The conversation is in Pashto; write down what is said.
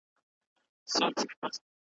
یک تنها مو تر نړۍ پوري راتله دي .